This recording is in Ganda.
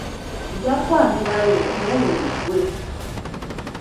Nja kwanjulayo n'olwo luggwe!